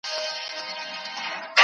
موږ بايد د خپلي مځکي دپاره هڅه وکړو.